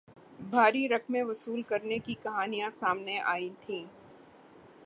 بھاری رقمیں وصول کرنے کی کہانیاں سامنے آئی تھیں